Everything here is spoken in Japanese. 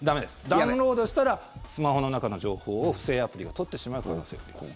ダウンロードしたらスマホの中の情報を不正アプリが取ってしまう可能性があります。